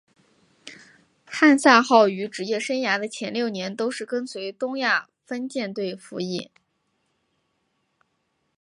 汉萨号于职业生涯的前六年都是跟随东亚分舰队服役。